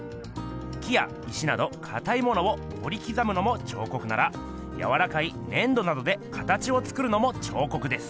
木や石などかたいものを彫り刻むのも彫刻ならやわらかい粘土などでかたちを作るのも彫刻です。